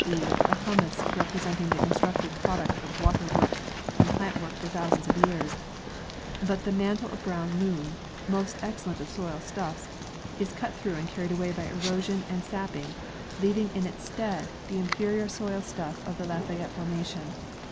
e., the humus representing the constructive product of water work and plant work for thousands of years; but the mantle of brown loam, most excellent of soil stuffs, is cut through and carried away by corrasion and sapping, leaving in its stead Economic Value of Species. 145 the inferior soil stuff of the Lafayette formation.